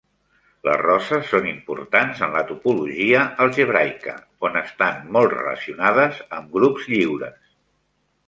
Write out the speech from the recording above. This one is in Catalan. Les roses són importants en la topologia algebraica, on estan molt relacionades amb grups lliures.